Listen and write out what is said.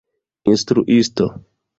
instruisto